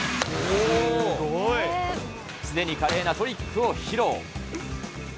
すでに華麗なトリックを披露。